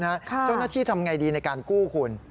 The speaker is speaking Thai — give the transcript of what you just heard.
เจ้าหน้าที่ทำไงดีในการกู้คุณ